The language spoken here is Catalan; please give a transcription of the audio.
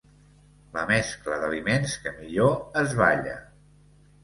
La mescla d'aliments que millor es balla.